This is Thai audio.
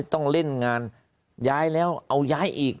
ต้องเล่นงานย้ายแล้วเอาย้ายอีก